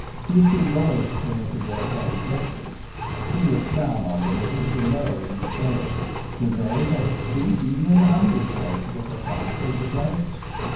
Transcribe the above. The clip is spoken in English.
He is too loyal to permit of their playing trespass — he looks down on them as a little lower in the scale. Do they ever speak, even in the humblest way, to the proprietor of the place